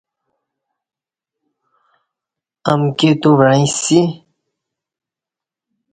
امکی تو وعݩیسی